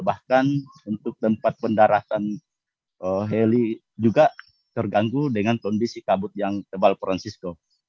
bahkan untuk tempat pendaratan heli juga terganggu dengan kondisi kabut yang tebal francisco